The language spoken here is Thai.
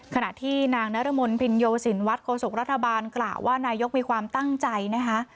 ขณะที่นางนรมนภินโยสินวัดโฆษกรัฐบาลกล่าวว่านายกมีความตั้งใจนะคะ